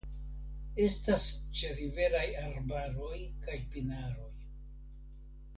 Estas ĉeriveraj arbaroj kaj pinaroj.